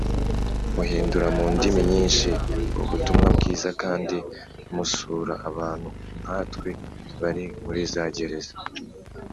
muhindura mu ndimi nyinshi ubutumwa bwiza kandi musura abantu nkatwe bari muri za gereza